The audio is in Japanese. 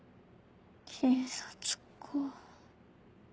警察か。